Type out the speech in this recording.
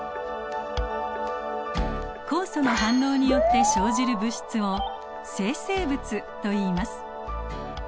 酵素の反応によって生じる物質を生成物といいます。